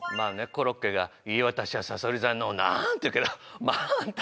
コロッケが「いいえ私はさそり座のあんっ」て言うけどまああんた